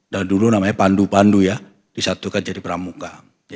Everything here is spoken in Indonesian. dan dulu namanya pandu pandu ya disatukan jadi pramuka